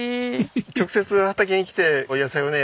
直接畑に来て野菜をね